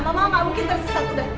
mama mungkin tersesat udah